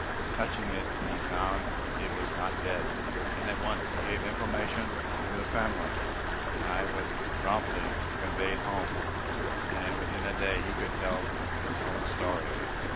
Touching it, he found it was not dead, and at once gave information to the family. Tai was promptly conveyed home, and within a day he could tell his own story.